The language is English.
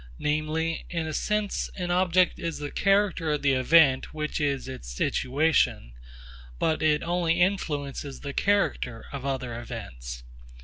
Namely, in a sense an object is the character of the event which is its situation, but it only influences the character of other events.